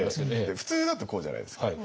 普通だとこうじゃないですか。